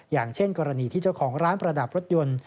อย่างเช่นกรณีที่เจ้าของร้านประดับรถยนต์